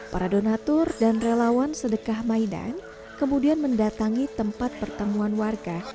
para donatur dan relawan sedekah mainan kemudian mendatangi tempat pertemuan warga